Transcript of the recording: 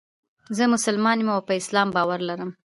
زه مسلمان یم او پر اسلام باور لرم.